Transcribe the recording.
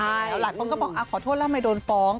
หลายคนก็บอกขอโทษแล้วทำไมโดนฟ้อง